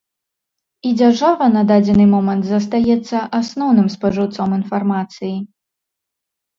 І дзяржава на дадзены момант застаецца асноўным спажыўцом інфармацыі.